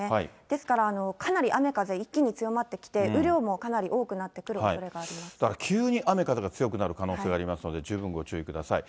ですから、かなり雨風、一気に強まってきて、雨量もかなり多くなだから急に雨風が強くなる可能性がありますので、十分ご注意ください。